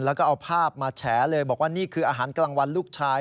แล้วก็เอาภาพมาแฉเลยบอกว่านี่คืออาหารกลางวันลูกชาย